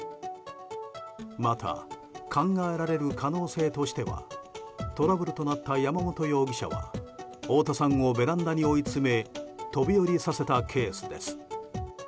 また、考えられる可能性としてはトラブルとなった山本容疑者は大田さんをベランダに追い詰め飛び降りさせたケースです。